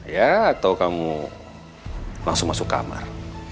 ya atau kamu langsung masuk kamar